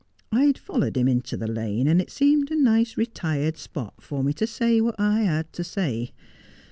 I'd followed him into the lane, and it seemed a nice retired spot for me to say what I had to say.